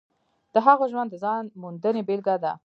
د هغه ژوند د ځان موندنې بېلګه ده.